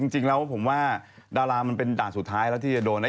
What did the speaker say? จริงแล้วผมว่าดารามันเป็นด่านสุดท้ายแล้วที่จะโดนนะ